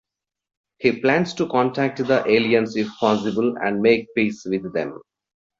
He plans to contact the aliens if possible and make peace with them.